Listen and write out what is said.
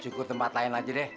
syukur tempat lain aja deh